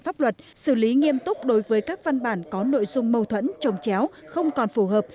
pháp luật xử lý nghiêm túc đối với các văn bản có nội dung mâu thuẫn trồng chéo không còn phù hợp